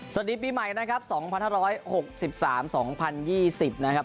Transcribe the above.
สวัสดีปีใหม่นะครับสองพันห้าร้อยหกสิบสามสองพันยี่สิบนะครับ